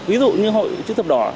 ví dụ như hội chức tập đỏ